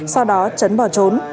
sau đó trấn bỏ trốn